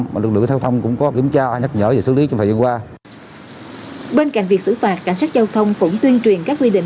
bên cạnh việc xử phạt cảnh sát giao thông cũng tuyên truyền các quy định